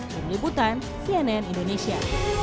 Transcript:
berlibutan cnn indonesia